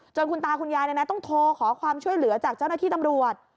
คุณตาคุณยายต้องโทรขอความช่วยเหลือจากเจ้าหน้าที่ตำรวจ